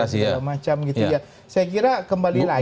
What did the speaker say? saya kira kembali lagi